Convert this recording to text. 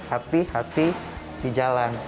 hati hati di jalan